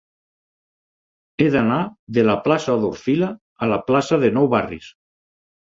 He d'anar de la plaça d'Orfila a la plaça de Nou Barris.